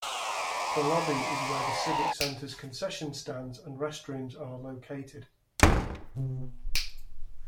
The lobby is where the Civic Center's concession stands and restrooms are located.